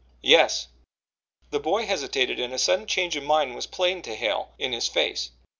"Yes." The boy hesitated, and a sudden change of mind was plain to Hale in his face.